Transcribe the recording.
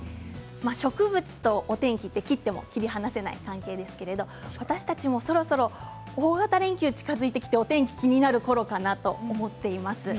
植物とお天気は切っても切り離せないわけですが私たちも、そろそろ大型連休が近づいてきてお天気が気になるころかなと思っています。